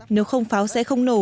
nếu không pháo thì không được